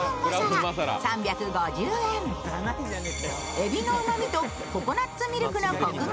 えびのうま味とココナッツミルクのこくが